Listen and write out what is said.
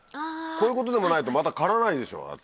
こういうことでもないとまた刈らないでしょだって。